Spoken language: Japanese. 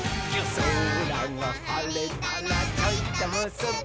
「そらがはれたらちょいとむすび」